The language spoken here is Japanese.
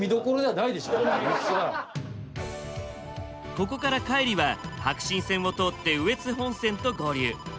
ここから海里は白新線を通って羽越本線と合流。